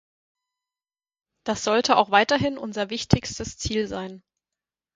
Das sollte auch weiterhin unser wichtigstes Ziel sein.